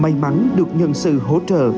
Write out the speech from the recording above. mày mắn được nhân sự hỗ trợ